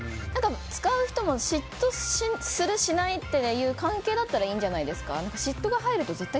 使う人も嫉妬するしないっていう関係だったらいいんじゃないですか。